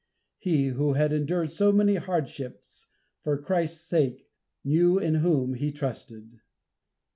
He, who had endured so many hardships for Christ's sake, knew in whom he trusted.